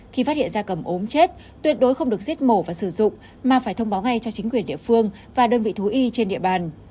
khi phát hiện da cầm ốm chết tuyệt đối không được giết mổ và sử dụng mà phải thông báo ngay cho chính quyền địa phương và đơn vị thú y trên địa bàn